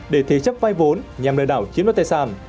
để thế chấp vai vốn nhằm lừa đảo chiếm đất tài sản